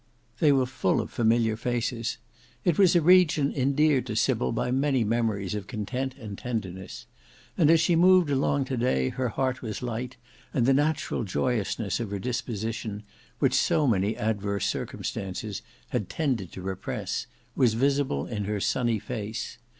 They were full of familiar faces. It was a region endeared to Sybil by many memories of content and tenderness. And as she moved along to day her heart was light, and the natural joyousness of her disposition, which so many adverse circumstances had tended to repress, was visible in her sunny face.